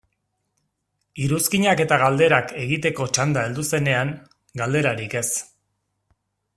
Iruzkinak eta galderak egiteko txanda heldu zenean, galderarik ez.